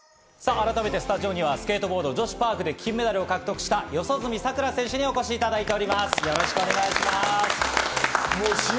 改めてスタジオにはスケートボード女子パークで金メダルを獲得した四十住さくら選手にお越しいただきました。